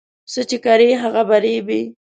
څه چې کرې هغه به ریبې